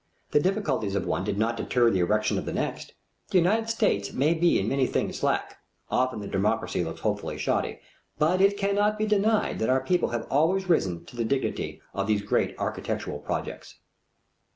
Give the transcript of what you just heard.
The difficulties of one did not deter the erection of the next. The United States may be in many things slack. Often the democracy looks hopelessly shoddy. But it cannot be denied that our people have always risen to the dignity of these great architectural projects.